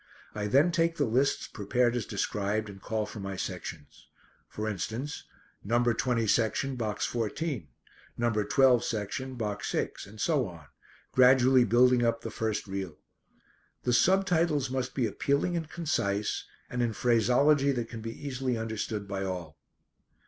I then take the lists prepared as described and call for my sections. For instance, number twenty section, box fourteen; number twelve section, box six; and so on, gradually building up the first reel. The sub titles must be appealing and concise, and in phraseology that can be easily understood by all.